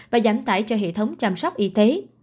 và giảm tải cho hệ thống chăm sóc y tế